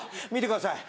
見てください